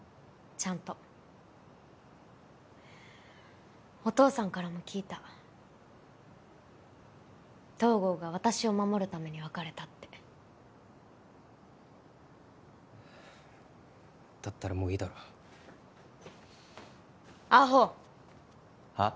ちゃんとお父さんからも聞いた東郷が私を守るために別れたってだったらもういいだろアホは？